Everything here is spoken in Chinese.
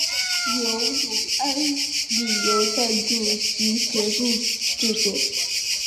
由永安旅游赞助及协助制作。